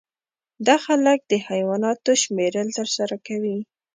دا خلک د حیواناتو شمیرل ترسره کوي